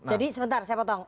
jadi sebentar saya potong